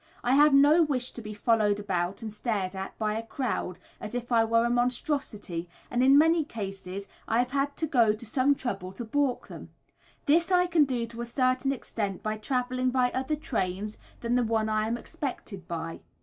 I have no wish to be followed about and stared at by a crowd, as if I were a monstrosity, and in many cases I have had to go to some trouble to baulk them. This I can do to a certain extent by travelling by other trains than the one I am expected by.